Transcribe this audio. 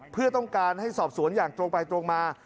เพื่อต้องการให้สอบสวนอย่างตรงไปตรงมา